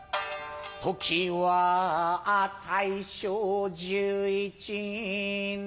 時は大正１１年